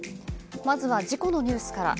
まずは事故のニュースから。